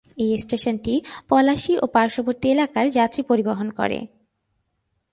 এই স্টেশনটি পলাশী ও পার্শ্ববর্তী এলাকার যাত্রী পরিবহন করে।